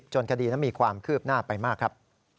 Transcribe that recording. คดีนั้นมีความคืบหน้าไปมากครับ